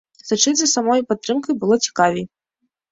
Сачыць за самой падтрымкай было цікавей.